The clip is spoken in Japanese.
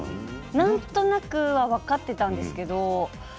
なんとなくは分かっていたんですけど。